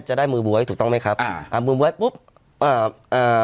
จะได้มือบ๊วยถูกต้องไหมครับอ่าอ่ามือบ๊วยปุ๊บอ่าเอ่อ